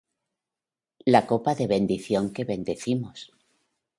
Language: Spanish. La copa de bendición que bendecimos,